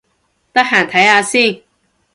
得閒睇下先